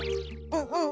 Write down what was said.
うん。